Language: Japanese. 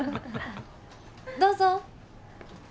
どうぞ。